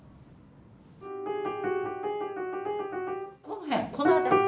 この辺この辺り。